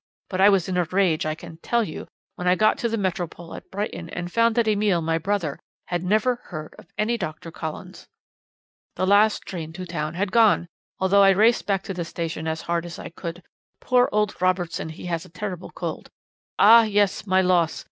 but I was in a rage, I can tell you, when I got to the Metropole at Brighton, and found that Emile, my brother, had never heard of any Doctor Collins. "'The last train to town had gone, although I raced back to the station as hard as I could. Poor old Robertson, he has a terrible cold. Ah yes! my loss!